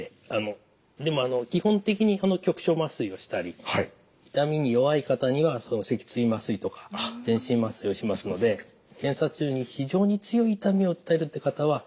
でもあの基本的に局所麻酔をしたり痛みに弱い方には脊椎麻酔とか全身麻酔をしますので検査中に非常に強い痛みを訴えるって方は少ないです。